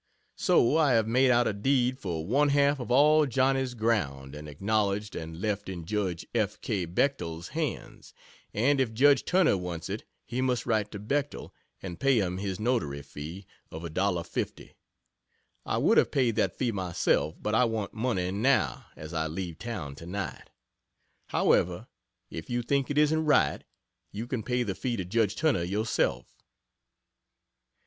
So I have made out a deed for one half of all Johnny's ground and acknowledged and left in judge F. K. Becktel's hands, and if judge Turner wants it he must write to Becktel and pay him his Notary fee of $1.50. I would have paid that fee myself, but I want money now as I leave town tonight. However, if you think it isn't right, you can pay the fee to judge Turner yourself.